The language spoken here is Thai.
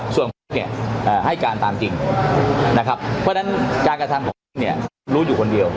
ส่วนผมเนี่ยให้การตามจริงนะครับเพราะฉะนั้นการกระทำของเนี่ยรู้อยู่คนเดียว